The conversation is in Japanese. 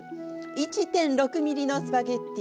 １．６ｍｍのスパゲッティ。